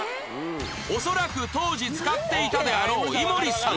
恐らく当時使っていたであろう井森さん